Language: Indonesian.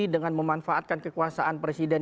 dengan memanfaatkan kekuasaan presiden